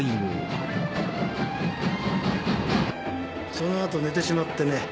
そのあと寝てしまってね。